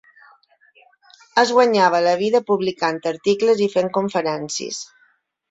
Es guanyava la vida publicant articles i fent conferències.